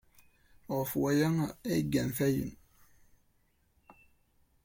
Ɣef waya ay gant ayen.